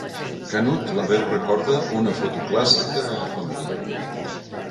Canut la veu recorda una foto clàssica de la família.